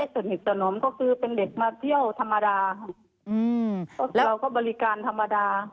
แต่แรกสนิทต่อนมก็คือเป็นเด็กมาเที่ยวธรรมดาแล้วก็บริการธรรมดา